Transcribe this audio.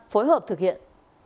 phối hợp thực hiện